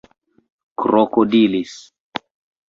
krokodilis